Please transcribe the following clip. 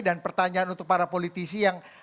dan pertanyaan untuk para politisi yang